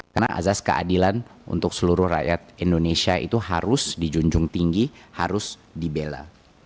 karena azas keadilan untuk seluruh rakyat indonesia itu harus dijunjung tinggi harus dibela